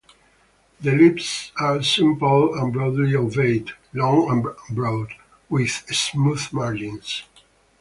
The leaves are simple and broadly ovate, long and broad, with smooth margins.